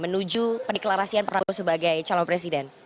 menuju pendeklarasian prabowo sebagai calon presiden